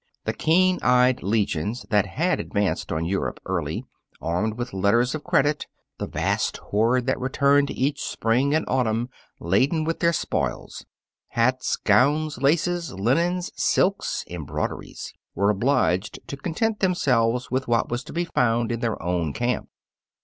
The keen eyed legions that had advanced on Europe early, armed with letters of credit the vast horde that returned each spring and autumn laden with their spoils hats, gowns, laces, linens, silks, embroideries were obliged to content themselves with what was to be found in their own camp.